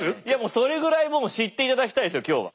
それぐらいもう知って頂きたいんですよ今日は。